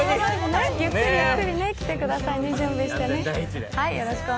ゆっくりゆっくり来てくださいね、準備してね。